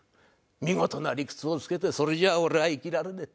見事な理屈をつけてそれじゃあ俺は生きられねえって。